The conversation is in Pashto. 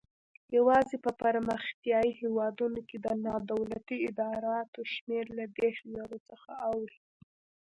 یوازې په پرمختیایي هیوادونو کې د نادولتي ادراراتو شمېر له دېرش زرو څخه اوړي.